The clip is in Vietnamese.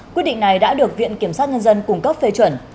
quyết định này đã được viện kiểm sát nhân dân cung cấp phê chuẩn